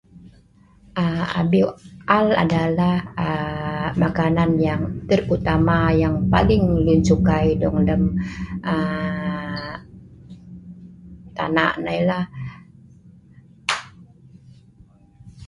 um abieu a’al adalah um makanan yang terutama yang paling lun sukai dong lem um tanak nei lah